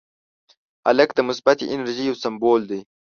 هلک د مثبتې انرژۍ یو سمبول دی.